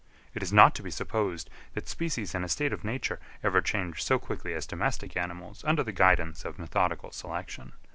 It is not to be supposed that species in a state of nature ever change so quickly as domestic animals under the guidance of methodical selection.